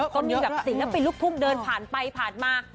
ก็มีแบบศิลปินลูกทุ่งเดินผ่านไปผ่านมา